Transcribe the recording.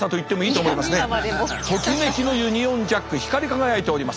ときめきのユニオンジャック光り輝いております。